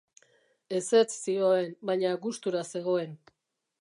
Ezetz zioen, baina gustura zegoen.